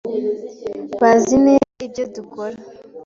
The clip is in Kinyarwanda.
bazi neza ibyo dukora